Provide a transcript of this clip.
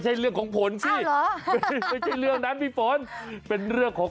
หวัดที่แล้วเหมือน